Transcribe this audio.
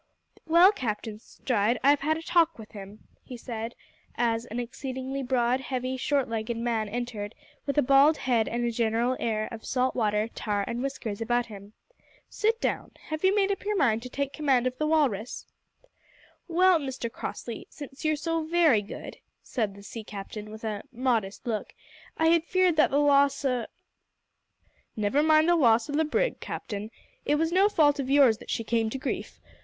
"Well, Captain Stride, I've had a talk with him," he said, as an exceedingly broad, heavy, short legged man entered, with a bald head and a general air of salt water, tar, and whiskers about him. "Sit down. Have you made up your mind to take command of the Walrus?" "Well, Mr Crossley, since you're so very good," said the sea captain with a modest look, "I had feared that the loss o' " "Never mind the loss of the brig, Captain. It was no fault of yours that she came to grief.